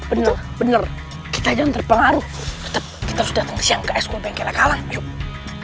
bener bener kita jangan terpengaruh tetep kita harus dateng siang ke ekskul bengkelnya kawang yuk